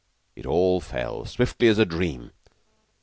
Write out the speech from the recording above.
It all fell swiftly as a dream.